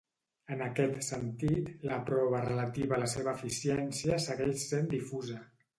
En aquest sentit, la prova relativa a la seva eficiència segueix sent difusa.